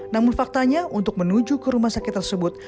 namun faktanya untuk menuju ke rumah sakit tersebut